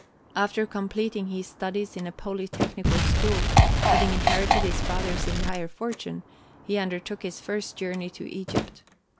After completing his studies in a polytechnical school, having inherited his father's entire fortune, he undertook his first journey to Egypt.